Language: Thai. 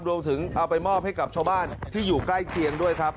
รวมไปถึงเอาไปมอบให้กับชาวบ้านที่อยู่ใกล้เคียงด้วยครับ